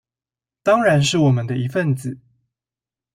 當然是我們的一分子